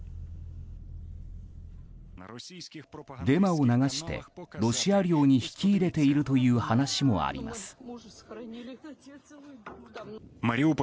デマを流してロシア領に引き入れているという話もあります。